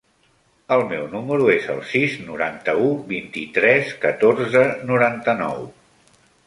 El meu número es el sis, noranta-u, vint-i-tres, catorze, noranta-nou.